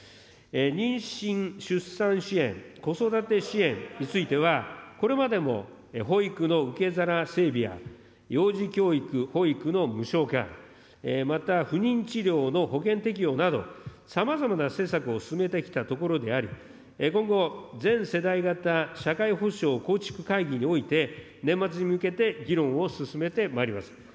妊娠、出産支援、子育て支援については、これまでも保育の受け皿整備や、幼児教育、保育の無償化、また不妊治療の保険適用など、さまざまな施策を進めてきたところであり、今後、全世代型社会保障構築会議において、年末に向けて議論を進めてまいります。